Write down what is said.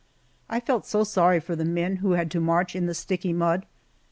I felt so sorry for the men who had to march in the sticky mud.